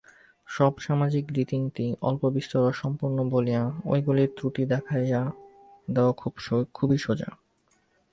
সব সামাজিক রীতিনীতি অল্পবিস্তর অসম্পূর্ণ বলিয়া ঐগুলির ত্রুটি দেখাইয়া দেওয়া খুবই সোজা।